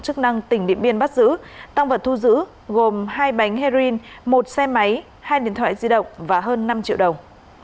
chức năng tỉnh điện biên bắt giữ tăng vật thu giữ gồm hai bánh heroin một xe máy hai điện thoại di động và hơn năm triệu đồng